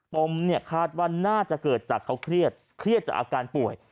มเนี่ยคาดว่าน่าจะเกิดจากเขาเครียดเครียดจากอาการป่วย